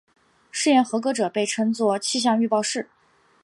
试验合格者被称作气象预报士。